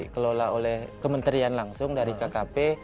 kelola oleh kementerian langsung dari kkp